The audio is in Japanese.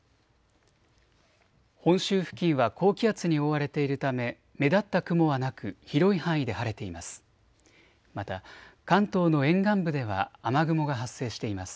本州付近は高気圧に覆われているため目立った雲はなく広い範囲で晴れています。